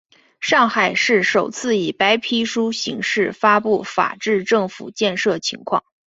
上海市首次以白皮书形式发布法治政府建设情况。